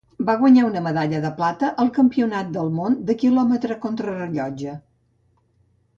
Va guanyar una medalla de plata al Campionat del món de quilòmetre contrarellotge.